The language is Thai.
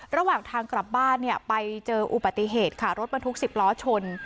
ระหว่างทางกลับบ้านเนี่ยไปเจออุบัติเหตุค่ะรถบรรทุก๑๐ล้อชน